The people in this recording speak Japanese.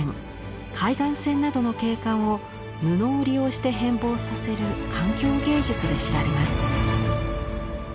海岸線などの景観を布を利用して変貌させる環境芸術で知られます。